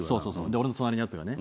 俺の隣のヤツがね